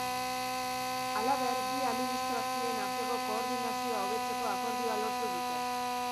Halaber, bi administrazioen arteko koordinazioa hobetzeko akordioa lortu dute.